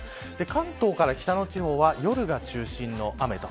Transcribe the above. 関東から北の地方は夜が中心の雨と。